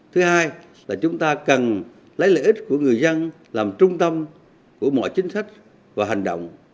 thứ hai là chúng ta cần lấy lợi ích của người dân làm trung tâm của mọi chính sách và hành động